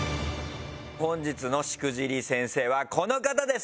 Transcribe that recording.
本日のしくじり先生はこの方です。